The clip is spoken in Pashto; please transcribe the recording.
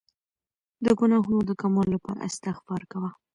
د ګناهونو د کمولو لپاره استغفار کوه.